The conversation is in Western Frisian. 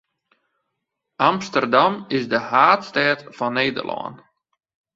Amsterdam is de haadstêd fan Nederlân.